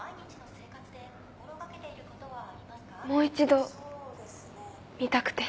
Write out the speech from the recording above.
もう一度見たくて。